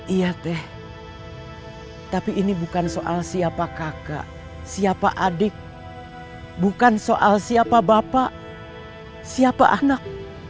iya teh tapi ini bukan soal siapa kakak siapa adik bukan soal siapa bapak siapa anak